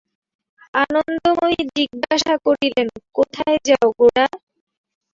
আনন্দময়ী জিজ্ঞাসা করিলেন, কোথায় যাও গোরা?